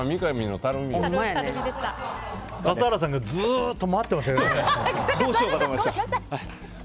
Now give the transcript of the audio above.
笠原さんがずっと待ってましたからね。